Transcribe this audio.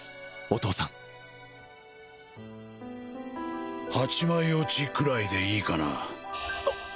お父さん８枚落ちくらいでいいかな？